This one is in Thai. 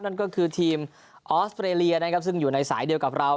นั่นก็คือทีมออสเตรเลียนะครับซึ่งอยู่ในสายเดียวกับเรา